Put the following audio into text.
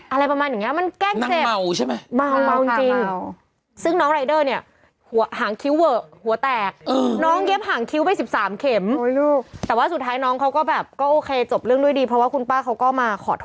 อะไรประมาณอย่างนี้มันแกล้งเจ็บ